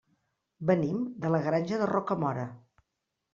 Venim de la Granja de Rocamora.